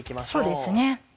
そうですね。